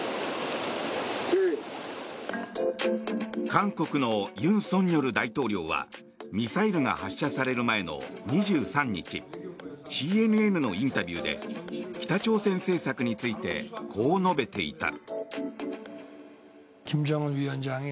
韓国の尹錫悦大統領はミサイルが発射される前の２３日ＣＮＮのインタビューで北朝鮮政策についてこう述べていた。